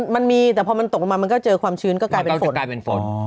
มันมีแต่พอมันตกลงมามันก็เจอความชื้นก็กลายเป็นฝน